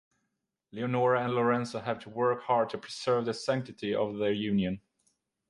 Leonora and Lorenzo have to work hard to preserve the sanctity of their union.